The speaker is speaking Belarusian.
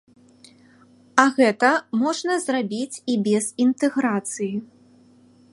А гэта можна зрабіць і без інтэграцыі.